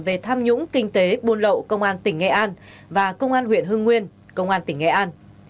về tham nhũng kinh tế buôn lậu công an tỉnh nghệ an và công an huyện hưng nguyên công an tỉnh nghệ an